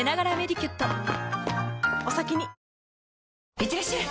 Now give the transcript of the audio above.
いってらっしゃい！